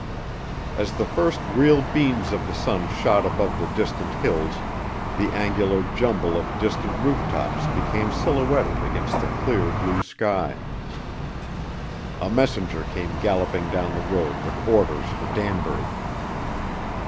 As the first real beams of the sun shot above the distant hills the angular jumble of distant roof tops became silhouetted against the clear, blue sky. A messenger came galloping down the road with orders for Danbury.